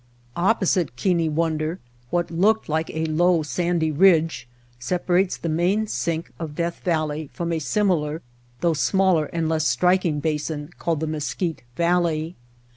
Opposite Keane Entering Death Valley Wonder what looked like a low, sandy ridge separates the main sink of Death Valley from a similar though smaller and less striking basin called the Mesquite Valley.